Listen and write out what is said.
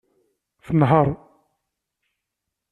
Tnehheṛ.